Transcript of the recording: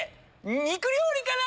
肉料理から！